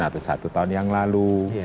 atau satu tahun yang lalu